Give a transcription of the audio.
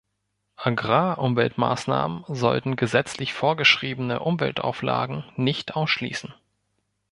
Agrarumweltmaßnahmen sollten gesetzlich vorgeschriebene Umweltauflagen nicht ausschließen.